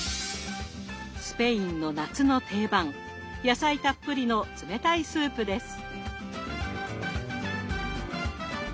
スペインの夏の定番野菜たっぷりの冷たいスープです。